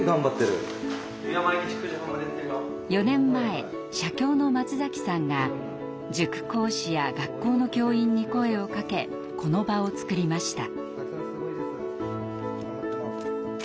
４年前社協の松崎さんが塾講師や学校の教員に声をかけこの場を作りました。